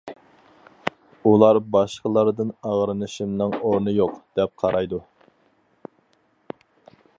ئۇلار باشقىلاردىن ئاغرىنىشىمنىڭ ئورنى يوق، دەپ قارايدۇ.